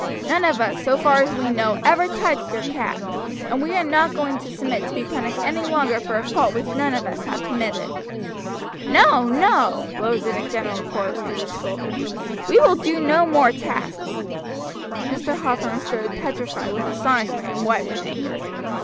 None of us, so far as we know, ever touched your cat, and we are not going to submit to be punished any longer for a fault which none of us have committed." "No, no," rose in a general chorus through the schoolroom, "we will do no more tasks." Mr. Hathorn stood petrified with astonishment and white with anger.